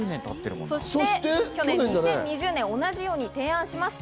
そして２０２０年、同じように提案しました。